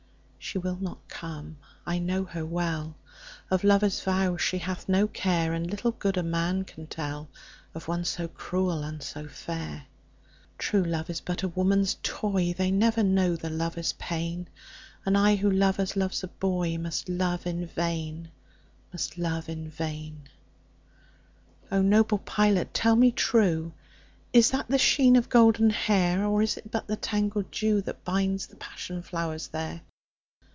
She will not come, I know her well, Of lover's vows she hath no care, And little good a man can tellOf one so cruel and so fair. True love is but a woman's toy, They never know the lover's pain, And I who loved as loves a boyMust love in vain, must love in vain.O noble pilot tell me trueIs that the sheen of golden hair? Or is it but the tangled dewThat binds the passion flowers there?